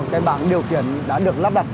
cái bảng điều kiện đã được lắp đặt